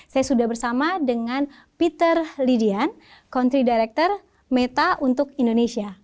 saya sudah bersama dengan peter lidian country director meta untuk indonesia